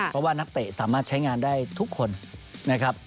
เพราะว่านักเตะสามารถใช้งานได้ทุกคนนะครับ